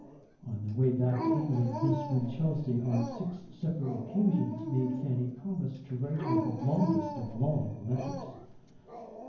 On their way back to England Miss Winchelsea on six separate occasions made Fanny promise to write to her the longest of long letters.